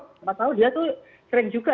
tidak tahu dia itu sering juga